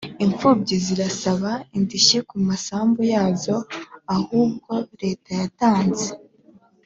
imfubyi zirasaba indishyi ku masambu yazo ahubwo leta yatanze